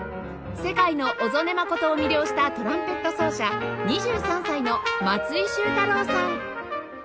世界の小曽根真を魅了したトランペット奏者２３歳の松井秀太郎さん